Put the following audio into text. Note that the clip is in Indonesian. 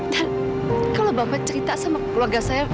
dan kalau bapak cerita sama keluarga saya